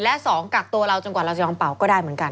และ๒กักตัวเราจนกว่าเราจะยอมเป่าก็ได้เหมือนกัน